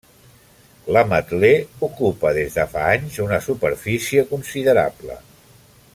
L'ametler ocupa des de fa anys una superfície considerable.